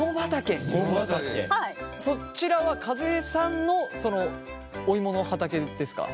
そちらは和江さんのお芋の畑ですか？